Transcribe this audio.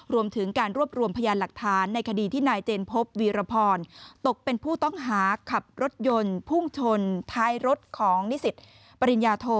รวมถึงการรวบรวมพยานหลักฐานในคดีที่นายเจนพบวีรพรตกเป็นผู้ต้องหาขับรถยนต์พุ่งชนท้ายรถของนิสิตปริญญาโท